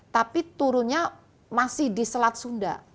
tapi turunnya masih di selat sunda